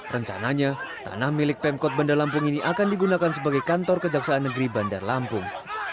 rencananya tanah milik pemkot bandar lampung ini akan digunakan sebagai kantor kejaksaan negeri bandar lampung